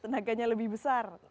tenaganya lebih besar